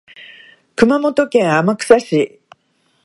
熊本県天草市